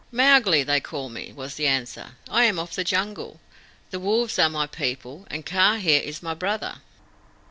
"Mowgli they call me," was the answer. "I am of the Jungle. The wolves are my people, and Kaa here is my brother.